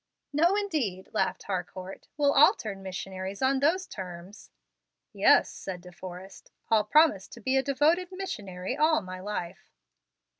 "No, indeed," laughed Harcourt; "we'll all turn missionaries on those terms." "Yes," said De Forrest, "I'll promise to be a devoted missionary all my life."